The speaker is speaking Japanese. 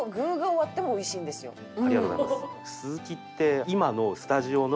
ありがとうございます。